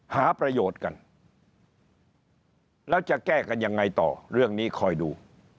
หาประโยชน์กันแล้วจะแก้กันยังไงต่อเรื่องนี้คอยดู